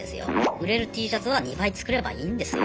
売れるＴシャツは２倍作ればいいんですよ。